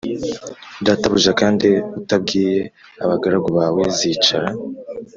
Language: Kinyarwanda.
Databuja kandi utabwiye abagaragu bawe zicara